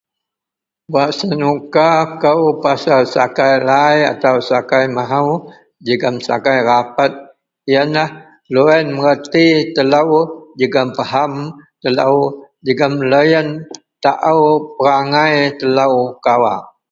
Wak senuka kou pasel sakai lai atau sakai mahou jegem sakai rapet iyenlah loyen mengerti telo jegem pahem telo jegem loyen taao perangai telo kawak.